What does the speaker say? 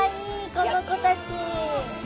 この子たち！